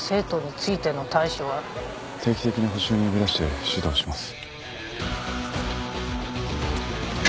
定期的に補習に呼び出して指導します。